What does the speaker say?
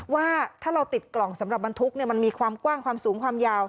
ว่าถ้าเราติดกล่องสำหรับบรรทุกมันมีความกว้างความสูงความยาว